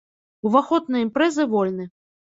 Уваход на імпрэзы вольны.